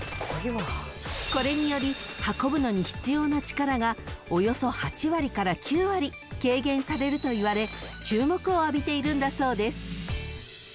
［これにより運ぶのに必要な力がおよそ８割から９割軽減されるといわれ注目を浴びているんだそうです］